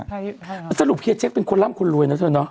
สรุปเฮียเจ๊กเป็นคนร่ำคนรวยนะเธอเนอ